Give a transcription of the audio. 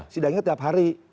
sidangnya tiap hari